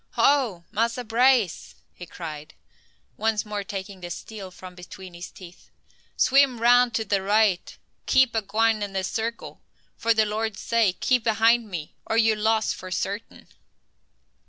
"Ho! Massa Brace!" he cried, once more taking the steel from between his teeth. "Swim roun' to de right. Keep a gwine in de circle. For de Lord sake, keep ahind me, or you loss fo' sartin!"